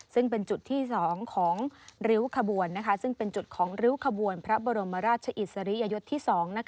ซึ่งเป็นจุดที่๒ของริ้วขบวนพระบรมราชอิสริยะยศที่๒